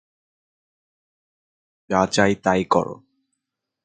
যাও, মন যা চায় তা কর।